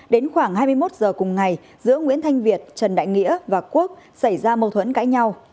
đến khoảng hai mươi một h cùng ngày giữa nguyễn thanh việt trần đại nghĩa và quốc xảy ra mâu thuẫn cãi nhau